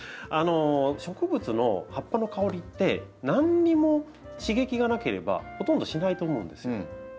植物の葉っぱの香りって何にも刺激がなければほとんどしないと思うんですよ。